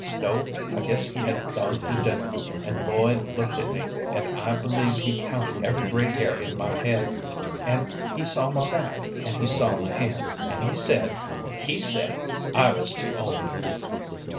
"No; I guess he had gone to dinner. And Lloyd looked at me, and I believe he counted every gray hair in my head, and he saw my back, and he saw my hands, and he said he said I was too old."